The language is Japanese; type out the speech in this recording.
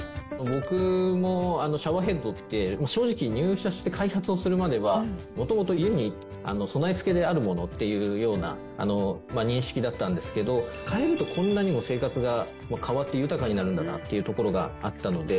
僕もシャワーヘッドって、正直、入社して開発するまでは、もともと家に備え付けであるものという認識だったんですけど、替えると、こんなにも生活が変わって、豊かになるんだなっていうところがあったので。